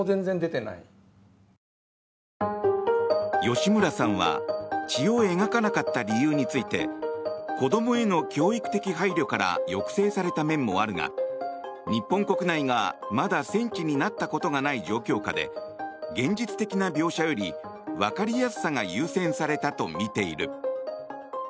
吉村さんは血を描かなかった理由について子どもへの教育的配慮から抑制された面もあるが日本国内がまだ戦地になったことがない状況下で現実的な描写よりわかりやすさが優先されたとみている。